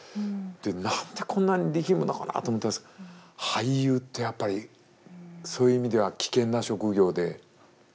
何でこんなに力むのかなと思ったら俳優ってやっぱりそういう意味では危険な職業で。